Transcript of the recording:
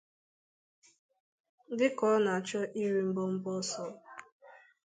dịka ọ na-achọ iri mbọmbọ ọsọ